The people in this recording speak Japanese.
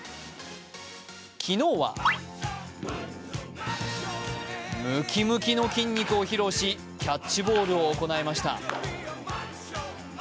昨日は、ムキムキの筋肉を披露し、キャッチボールを行いました。